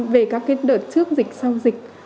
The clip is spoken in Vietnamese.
về các đợt trước dịch sau dịch